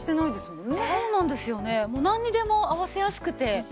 なんにでも合わせやすくて。